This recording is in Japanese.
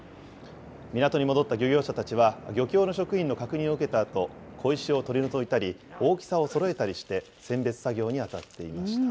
港に戻った漁業者たちは、漁協の職員の確認を受けたあと、小石を取り除いたり大きさをそろえたりして、選別作業に当たっていました。